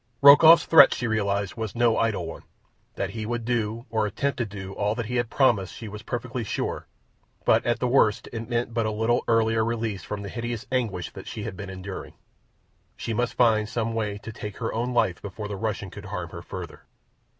Rokoff's threat, she realized, was no idle one. That he would do, or attempt to do, all that he had promised, she was perfectly sure; but at the worst it meant but a little earlier release from the hideous anguish that she had been enduring. She must find some way to take her own life before the Russian could harm her further.